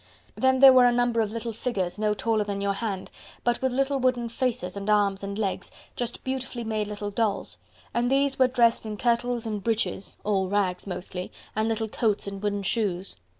Then there were a number of little figures, no taller than your hand, but with little wooden faces and arms and legs, just beautifully made little dolls, and these were dressed in kirtles and breeches all rags mostly and little coats and wooden shoes.